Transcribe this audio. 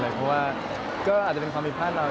เพราะว่าก็อาจจะเป็นความผิดพลาดเรา